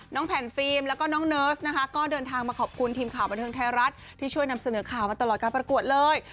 แผ่นฟิล์มแล้วก็น้องเนิร์สนะคะก็เดินทางมาขอบคุณทีมข่าวบันเทิงไทยรัฐที่ช่วยนำเสนอข่าวมาตลอดการประกวดเลย